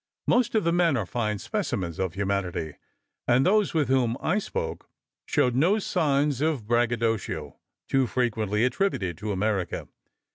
Most of the men are fine specimens of humanity, and those with whom I spoke showed no signs of braggadocio, too frequently attributed to America.